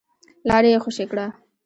لاره يې خوشې کړه.